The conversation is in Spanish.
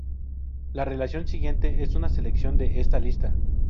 La relación siguiente es una selección de esta lista.